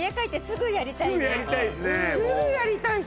すぐやりたい！